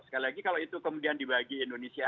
sekali lagi kalau itu kemudian dibagi indonesia